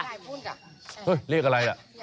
เฮ้ยเลขอะไรอ่ะ